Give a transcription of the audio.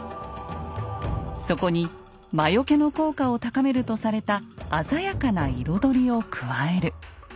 そこに魔よけの効果を高めるとされた鮮やかな彩りを加える。